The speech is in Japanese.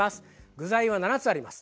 具材は７つあります。